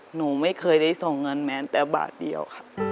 หนูไม่เคยได้ส่งเงินแม้แต่บาทเดียวครับ